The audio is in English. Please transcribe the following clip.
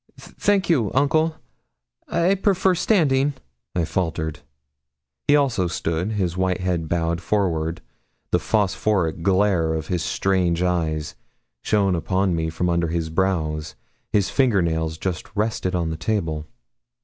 'Thank you, uncle, I prefer standing,' I faltered. He also stood his white head bowed forward, the phosphoric glare of his strange eyes shone upon me from under his brows his finger nails just rested on the table.